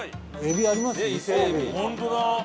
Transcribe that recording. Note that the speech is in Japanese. エビありますね。